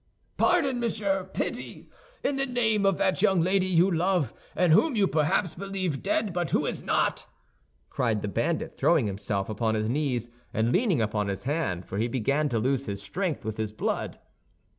"Pardon, monsieur; pity! In the name of that young lady you love, and whom you perhaps believe dead but who is not!" cried the bandit, throwing himself upon his knees and leaning upon his hand—for he began to lose his strength with his blood.